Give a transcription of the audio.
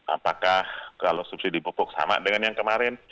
apakah kalau subsidi pupuk sama dengan yang kemarin